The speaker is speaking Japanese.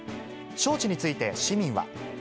招致について市民は。